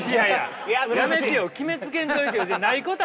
やめてよ決めつけんといてよ。